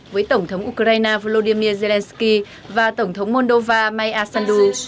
với tổng thống ukraine volodymyr zelensky và tổng thống moldova maiya sandu